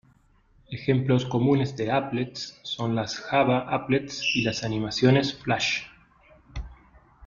Ejemplos comunes de "applets" son las Java applets y las animaciones Flash.